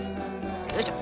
よいしょ。